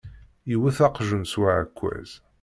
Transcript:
Yewet aqjun s uɛekkaz.